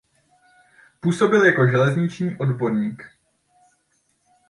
Působil jako železniční odborník.